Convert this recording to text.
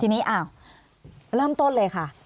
ทีนี้อ้าวเริ่มต้นเลยค่ะ